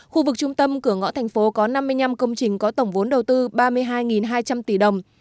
khu vực trung tâm cửa ngõ thành phố có năm mươi năm công trình có tổng vốn đầu tư ba mươi hai hai trăm linh tỷ đồng